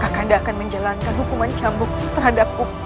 kakak nda akan menjalankan hukuman cambuk terhadapku